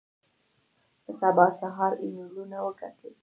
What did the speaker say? په سبا سهار ایمېلونه وکتل.